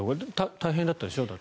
大変だったでしょ？